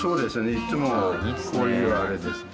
いつもこういうあれですね。